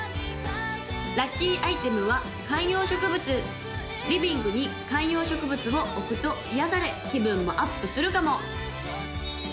・ラッキーアイテムは観葉植物リビングに観葉植物を置くと癒やされ気分もアップするかも？